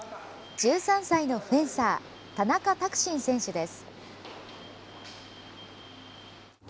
１３歳のフェンサー田中拓進選手です。